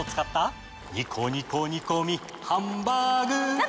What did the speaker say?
ニコニコ煮込みハンバーグ鍋！